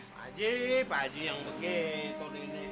pak haji pak haji yang begitu